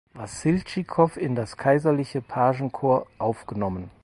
Wassiltschikow in das Kaiserliche Pagenkorps aufgenommen.